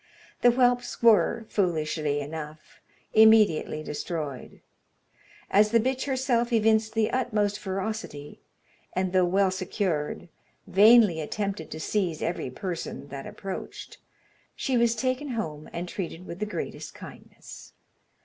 The whelps were (foolishly enough) immediately destroyed. As the bitch herself evinced the utmost ferocity, and, though well secured, vainly attempted to seize every person that approached, she was taken home, and treated with the greatest kindness.